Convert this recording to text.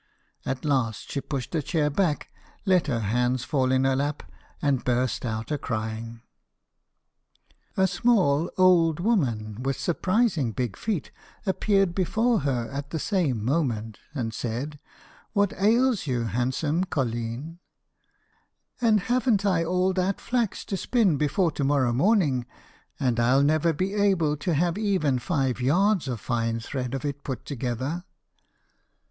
At last she pushed her chair back, let her hands fall in her lap, and burst out a crying. A small, old woman with surprising big feet appeared before her at the same moment, and said, "What ails you, you handsome colleen?" "An' haven't I all that flax to spin before to morrow morning, and I'll never be able to have even five yards of fine thread of it put together."